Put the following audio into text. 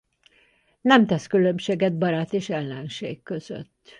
Nem tesz különbséget barát és ellenség között.